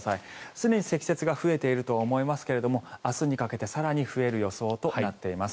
すでに積雪が増えていると思いますが明日にかけて更に増える予想となっています。